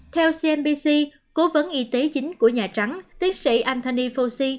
theo cnbc cố vấn y tế chính của nhà trắng tiến sĩ anthony fauci